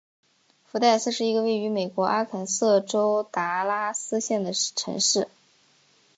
福代斯是一个位于美国阿肯色州达拉斯县的城市。